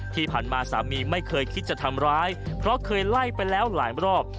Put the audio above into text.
ที่ผ่านมาสามีไม่เคยคิดจะทำร้ายเพราะเคยไล่ไปแล้วหลายรอบ